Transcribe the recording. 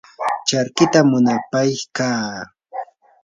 charkita munapaykaa.